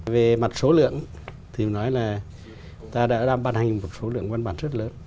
về mặt số lượng ta đã ban hành một số lượng văn bản rất lớn